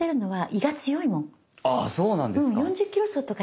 あそうなんですか。